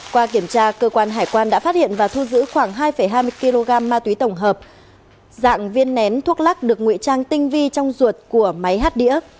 qua kiểm tra cơ quan hải quan đã phát hiện và thu giữ khoảng hai hai mươi kg ma túy tổng hợp dạng viên nén thuốc lắc được nguy trang tinh vi trong ruột của máy hát đĩa